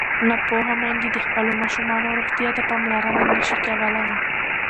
ناپوهه میندې د خپلو ماشومانو روغتیا ته پاملرنه نه شي کولی.